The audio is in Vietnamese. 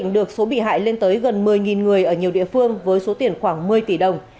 được số bị hại lên tới gần một mươi người ở nhiều địa phương với số tiền khoảng một mươi tỷ đồng